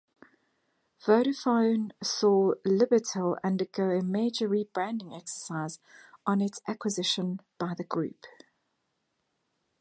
Vodafone saw Libertel undergo a major rebranding exercise on its acquisition by the group.